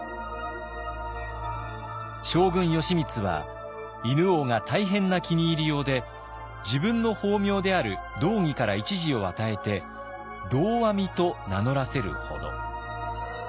将軍義満は犬王が大変な気に入りようで自分の法名である「道義」から１字を与えて「道阿弥」と名乗らせるほど。